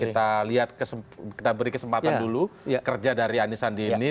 kita lihat kita beri kesempatan dulu kerja dari anisandi ini